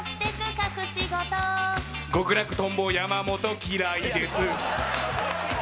極楽とんぼ山本、嫌いです。